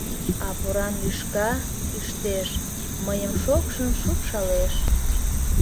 А поран лӱшка, ӱштеш, Мыйым шокшын шупшалеш.